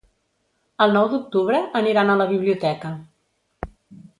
El nou d'octubre aniran a la biblioteca.